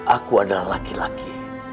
aku adalah laki laki